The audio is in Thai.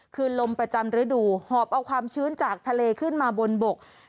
คือลมประจำฤดูหอบเอาความชื้นจากทะเลขึ้นมาบนบก